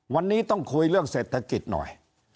วันนี้ต้องคุยเรื่องเศรษฐกิจหน่อย